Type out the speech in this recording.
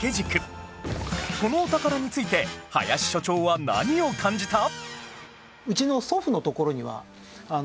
このお宝について林所長は何を感じた？